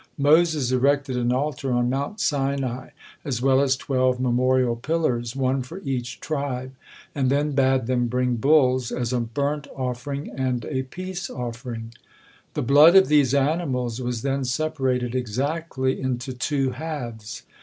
Moses erected an altar on Mount Sinai, as well as twelve memorial pillars, one for each tribe, and then bade them bring bulls, as a burnt offering and a peace offering. The blood of these animals was then separated exactly into two halves.